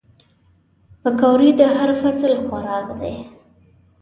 پکورې د هر فصل خوراک دي